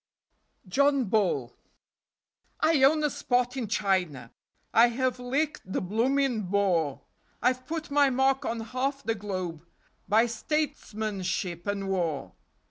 John Bull: I own a spot in China; I have licked the bloomin' Boer; I've put my mark on half the globe By statesmanship and war.